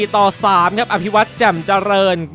๔ต่อ๓ครับอธิวัตรจำเจริญ